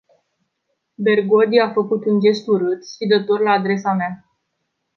Bergodi a făcut un gest urât, sfidător la adresa mea.